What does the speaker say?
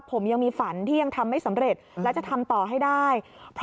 ผมยังมีฝันที่ยังทำไม่สำเร็จและจะทำต่อให้ได้